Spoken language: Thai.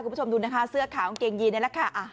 คุณผู้ชมดูนะคะเสื้อขาวกางเกงยีนนี่แหละค่ะ